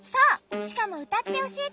しかもうたっておしえて？